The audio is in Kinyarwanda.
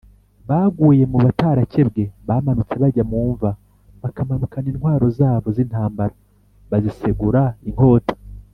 baguye mu batarakebwe bamanutse bajya mu mva bakamanukana intwaro zabo z intambara Bazisegura inkota